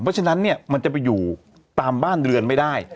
เพราะฉะนั้นเนี่ยมันจะไปอยู่ตามบ้านเรือนไม่ได้